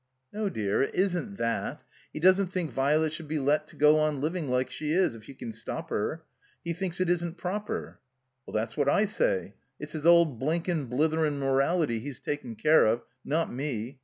"No, dear, it isn't that. He doesn't think Vi'let should be let go on living like she is if you can stop her. He thinks it isn't proper." "Well, that's what I say. It's his old blinkin', bletherin' morality he's takin' care of, not me.